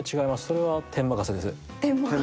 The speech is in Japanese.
それは天任せです。